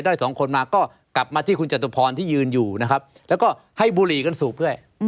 สองคนมาก็กลับมาที่คุณจตุพรที่ยืนอยู่นะครับแล้วก็ให้บุหรี่กันสูบด้วย